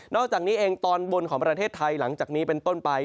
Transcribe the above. อกจากนี้เองตอนบนของประเทศไทยหลังจากนี้เป็นต้นไป